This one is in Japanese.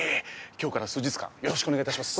今日から数日間よろしくお願いいたします